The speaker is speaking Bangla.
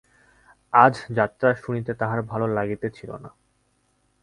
আজ যাত্রা শুনিতে তাহার ভালো লাগিতেছিল না।